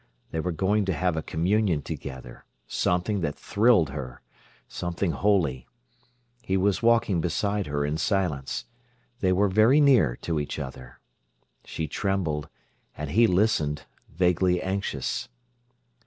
They were going to have a communion together—something that thrilled her, something holy. He was walking beside her in silence. They were very near to each other. She trembled, and he listened, vaguely anxious.